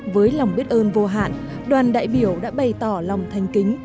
với lòng biết ơn vô hạn đoàn đại biểu đã bày tỏ lòng thanh kính